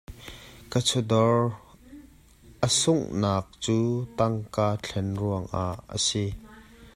A chawdawr a sunghnak cu tangka thlen ruangah a si.